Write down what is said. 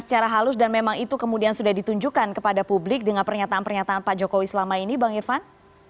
secara halus dan memang itu kemudian sudah ditunjukkan kepada publik dengan pernyataan pernyataan pak jokowi selama ini bang irfan